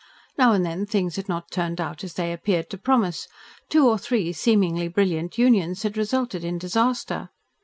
Now and then things had not turned out as they appeared to promise; two or three seemingly brilliant unions had resulted in disaster.